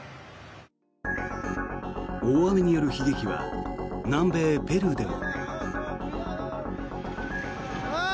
大雨による悲劇は南米ペルーでも。